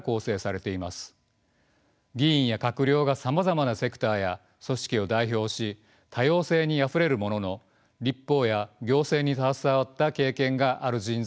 議員や閣僚がさまざまなセクターや組織を代表し多様性にあふれるものの立法や行政に携わった経験がある人材は十分ではありません。